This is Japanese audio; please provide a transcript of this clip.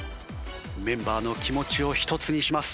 メンバーの気持ちを一つにします。